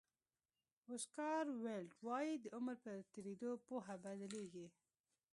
اوسکار ویلډ وایي د عمر په تېرېدو پوهه بدلېږي.